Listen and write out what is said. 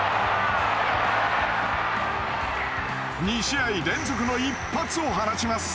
２試合連続の一発を放ちます。